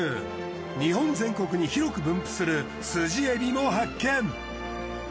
日本全国に広く分布するスジエビも発見。